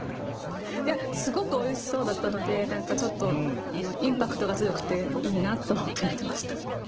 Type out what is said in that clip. いやすごくおいしそうだったのでなんかちょっとインパクトが強くていいなと思って見てました。